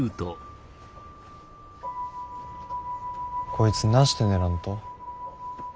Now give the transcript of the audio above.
こいつなして寝らんと？